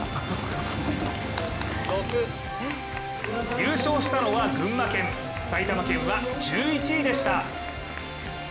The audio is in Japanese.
優勝したのは群馬県埼玉県は１１位でした。